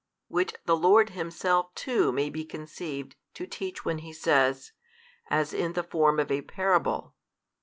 Which the Lord Himself too may be conceived to teach when He says, as in the form of a parable.